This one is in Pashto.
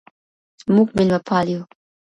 موږ ميلمه پال يو.